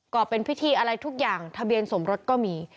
ก็เป็นพิธีอะไรทุกอย่างทะเบียนสมรสก็มี